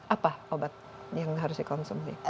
apa obat yang harus dikonsumsi